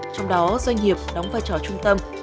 trong đó doanh nghiệp đóng vai trò trung tâm